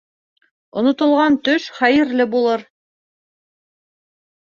Онотолған төш хәйерле булыр.